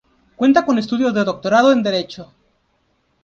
Cuenta con estudios de Doctorado en Derecho.